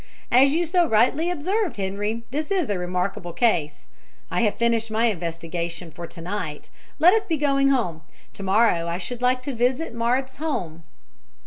"As you so rightly observed, Henri, this is a remarkable case. I have finished my investigation for to night. Let us be going home. To morrow I should like to visit Marthe's home."